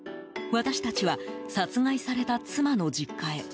私たちは殺害された妻の実家へ。